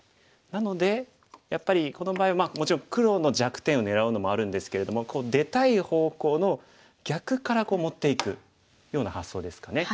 なのでやっぱりこの場合はもちろん黒の弱点を狙うのもあるんですけれども出たい方向の逆から持っていくような発想ですかね。